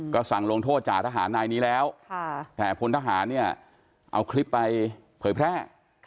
ก็สั่งลงโทษจ่าทหารนายนี้แล้วแต่พลทหารเนี่ยเอาคลิปไปเผยแพร่